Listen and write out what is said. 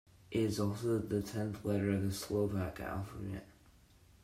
It is also the tenth letter of the Slovak alphabet.